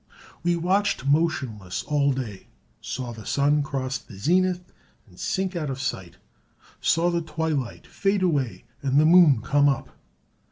We watched motionless all day, saw the sun cross the zenith and sink out of sight, saw the twilight fade away and the moon come up.